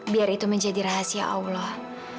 biar itu menjadi rahasia allah